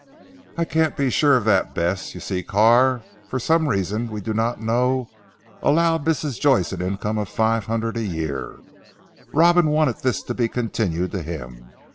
"I really can't be sure of that Bess. You see Carr, for some reason we do not know, allowed Mrs. Joyce an income of five hundred a year. Robin wanted this to be continued to him.